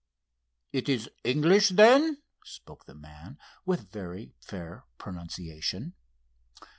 "It is English, then?" spoke the man, with very fair pronunciation.